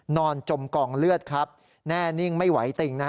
นอนจมกองเลือดแน่นิ่งไม่ไหวติ่ง